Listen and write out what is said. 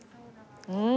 うん。